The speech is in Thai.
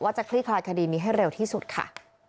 จะคลี่คลายคดีนี้ให้เร็วที่สุดค่ะ